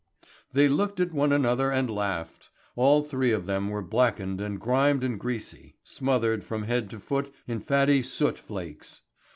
They looked at one another and laughed. All three of them were blackened and grimed and greasy, smothered from head to foot in fatty soot flakes.